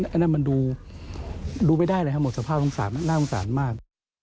อันนั้นมันดูไม่ได้เลยครับหมดสภาพสงสารน่าสงสารมาก